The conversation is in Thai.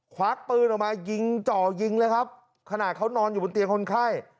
ควักปืนออกมายิงจ่อยิงเลยครับขณะเขานอนอยู่บนเตียงคนไข้